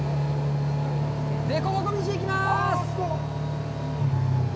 凸凹道いきます！